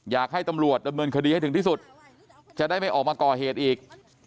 อยากให้ตำรวจดำเนินคดีให้ถึงที่สุดจะได้ไม่ออกมาก่อเหตุอีก